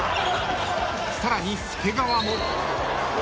［さらに介川も］